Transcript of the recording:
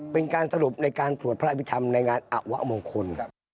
เป็นการสรุปในการตรวจพระอภิษฐรรมในงานอวะมงคล